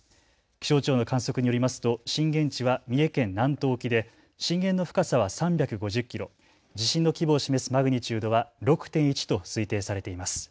気象庁の観測によりますと震源地は三重県南東沖で震源の深さは３５０キロ、地震の規模を示すマグニチュードは６．１と推定されています。